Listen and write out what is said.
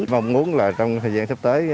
mong muốn trong thời gian sắp tới